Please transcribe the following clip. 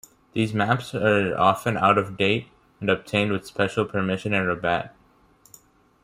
These maps are often out of date and obtained with special permission in Rabat.